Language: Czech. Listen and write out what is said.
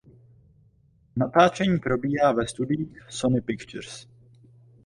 Natáčení probíhá ve studiích Sony Pictures.